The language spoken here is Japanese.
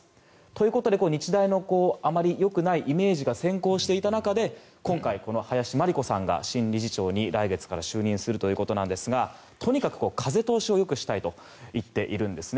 ということで日大のあまりよくないイメージが先行していた中で今回、この林真理子さんが新理事長に来月から就任するということなんですがとにかく風通しをよくしたいと言っているんです。